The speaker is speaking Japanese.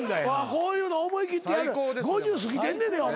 こういうの思いきってやる５０過ぎてんねんでお前。